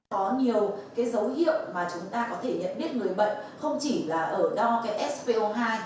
có nhiều dấu hiệu mà chúng ta có thể nhận biết người bệnh không chỉ là ở đo spo hai